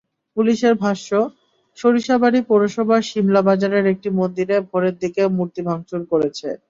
পুলিশের ভাষ্য, সরিষাবাড়ী পৌরসভার শিমলা বাজারের একটি মন্দিরে ভোরের দিকে মূর্তি ভাঙচুর করেছে।